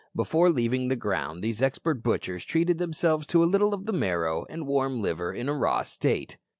Before leaving the ground these expert butchers treated themselves to a little of the marrow and warm liver in a raw state!